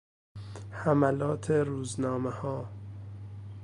حملات روزنامهها